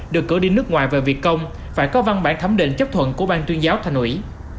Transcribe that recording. được cử đi nước ngoài về việc công phải có văn bản thấm định chấp thuận của ban tuyên giáo thành ủy